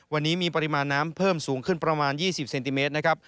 วันนี้มีปริมาณน้ำเพิ่มสูงขึ้นประมาณ๒๐เซนติเมตรนะครับ